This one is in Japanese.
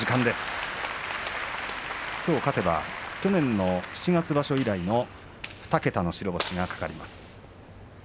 きょう勝てば去年の七月場所以来の２桁の白星が懸かります。